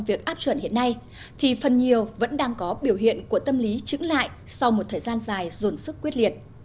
vì phần nhiều vẫn đang có biểu hiện của tâm lý chứng lại sau một thời gian dài dồn sức quyết liệt